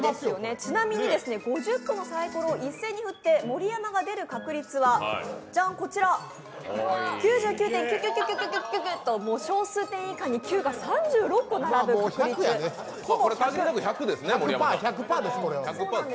ちなみに５０個のサイコロを一斉に振って「盛山」が出る確率はジャン、こちら９９．９９９９９と小数点以下に９が３６個並ぶ確率、ほぼ１００です。